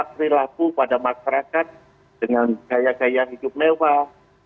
tidak pertontonkan sikap perilaku pada masyarakat dengan gaya gaya hidup mewah